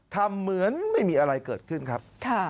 ทำเหมือนไม่มีอะไรเกิดขึ้นครับ